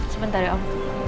sebentar ya om